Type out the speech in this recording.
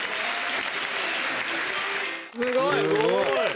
すごい！